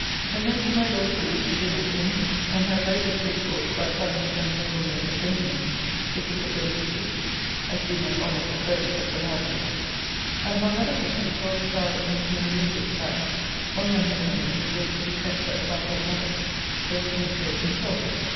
From thence to my Lord Crew's to dinner with him, and had very good discourse about having of young noblemen and gentlemen to think of going to sea, as being as honourable service as the land war. And among other things he told us how, in Queen Elizabeth's time, one young nobleman would wait with a trencher at the back of another till he came to age himself.